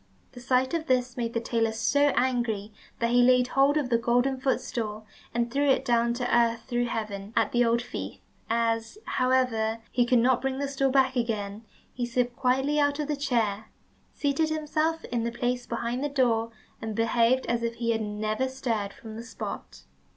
The sight of this made the tailor so angry that he laid hold of the golden footstool, and threw it down to earth through heaven, at the old thief. As, however, he could not bring the stool back again, he slipped quietly out of the chair, seated himself in his place behind the door, and behaved as if he had never stirred from the spot.